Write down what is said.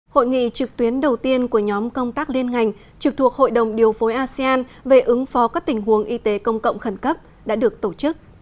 hội nghị trực tuyến đầu tiên của nhóm công tác liên ngành trực thuộc hội đồng điều phối asean về ứng phó các tình huống y tế công cộng khẩn cấp đã được tổ chức